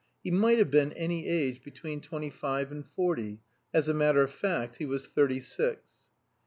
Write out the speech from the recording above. He might have been any age between twenty five and forty; as a matter of fact he was thirty six.